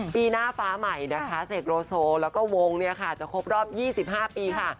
ปีหน้าฟ้าใหม่นะคะเสกโลโซแล้วก็วงเนี่ยค่ะจะครบรอบ๒๕ปีค่ะ